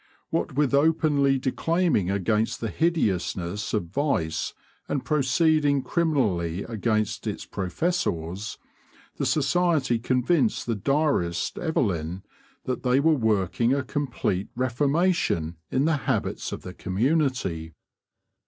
What with openly declaiming against the hideousness of vice and proceeding criminally against its professors, the society convinced the diarist Evelyn that they were working a complete reformation in the habits of the community.